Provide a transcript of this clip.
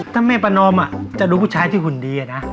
ถ้าแม่ประนอมจะดูผู้ชายที่หุ่นดีนะ